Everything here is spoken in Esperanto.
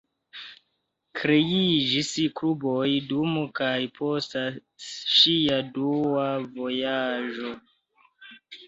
Kreiĝis kluboj dum kaj post ŝia dua vojaĝo.